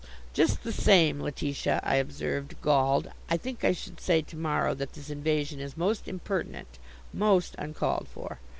"Just the same, Letitia," I observed, galled, "I think I should say to morrow that this invasion is most impertinent most uncalled for."